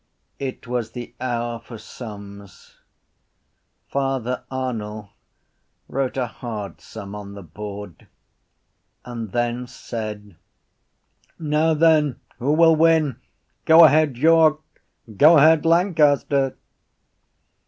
It was the hour for sums. Father Arnall wrote a hard sum on the board and then said: —Now then, who will win? Go ahead, York! Go ahead, Lancaster!